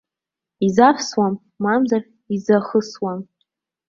Изавсуам, мамзар, изахысуам.